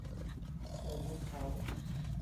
โจรยกเค้า